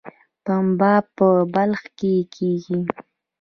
پنبه په بلخ کې کیږي